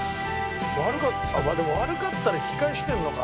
「悪かったらでも悪かったら引き返してるのか」